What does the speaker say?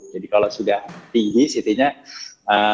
jadi kalau sudah tinggi ct nya kita pulangkan